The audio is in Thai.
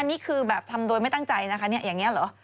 อันนี้คือแบบทำโดยไม่ตั้งใจนะคะเนี่ยอย่างนี้เหรอ